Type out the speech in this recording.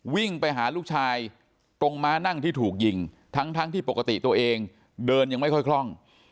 วิ่งไปหาลูกชายตรงม้านั่งที่ถูกยิงทั้งที่ปกติตัวเองเดินยังไม่ค่อยคล่อง